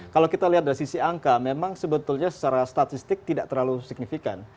kalau kita lihat dari sisi angka memang sebetulnya secara statistik tidak terlalu signifikan